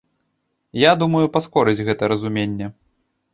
Я думаю, паскорыць гэта разуменне.